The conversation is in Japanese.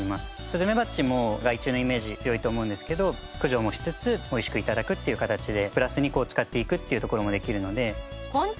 スズメバチも害虫のイメージ強いと思うんですけど駆除もしつつ美味しく頂くっていう形でプラスにこう使っていくっていうところもできるので。